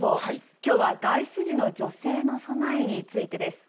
きょうは外出時の女性の備えについてです。